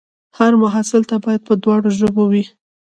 هر محصول باید په دواړو ژبو وي.